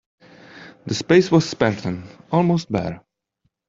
The space was spartan, almost bare.